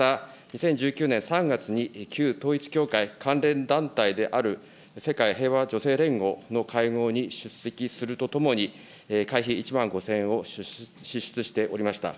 また、２０１９年３月に旧統一教会関連団体である世界平和女性連合の会合に出席するとともに、会費１万５０００円を支出しておりました。